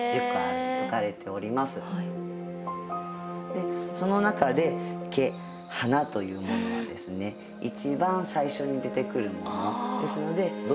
でその中で華花というものはですね一番最初に出てくるもの。